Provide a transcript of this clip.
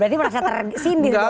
berarti merasa tersindir tuh